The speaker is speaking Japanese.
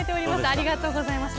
ありがとうござました。